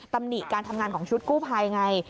ตำหนิการทำงานของชุดกู้ไภไง